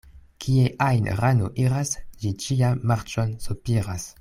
Kie ajn rano iras, ĝi ĉiam marĉon sopiras.